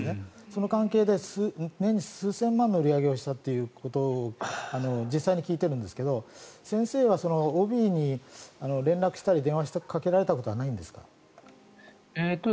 その関係で年に数千万の売り上げをしたということを実際に聞いているんですけど先生はＯＢに連絡したり電話をかけられたことはないんですか？